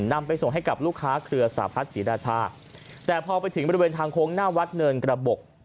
นำไปส่งให้กับลูกค้าเครือสาพัฒน์ศรีราชาแต่พอไปถึงบริเวณทางโค้งหน้าวัดเนินกระบบ